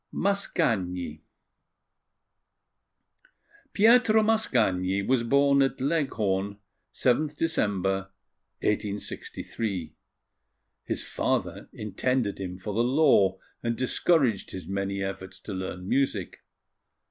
MASCAGNI PIETRO MASCAGNI was born at Leghorn, 7th December, 1863. His father intended him for the law, and discouraged his many efforts to learn music.